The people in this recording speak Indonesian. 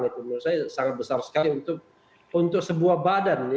menurut saya sangat besar sekali untuk sebuah badan